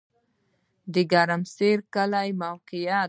د ګرمسر کلی موقعیت